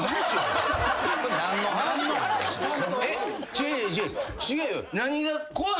違う違う違うよ。